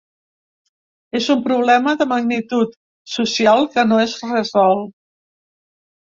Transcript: És un problema de magnitud social que no es resol.